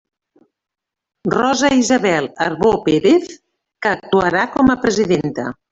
Rosa Isabel Arbó Pérez, que actuarà com a presidenta.